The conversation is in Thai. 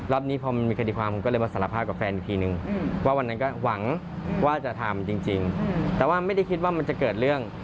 นี้พอมันมีคดีความผมก็เลยมาสารภาพกับแฟนอีกทีนึงว่าวันนั้นก็หวังว่าจะทำจริงแต่ว่าไม่ได้คิดว่ามันจะเกิดเรื่อง